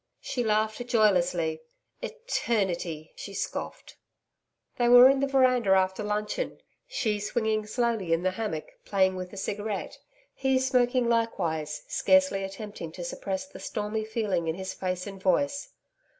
She laughed joylessly. 'Eternity!' she scoffed. They were in the veranda after luncheon, she swinging slowly in the hammock, playing with a cigarette, he smoking likewise, scarcely attempting to suppress the stormy feeling in his face and voice.